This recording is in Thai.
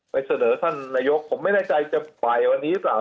เสนอท่านนายกผมไม่แน่ใจจะไปวันนี้หรือเปล่า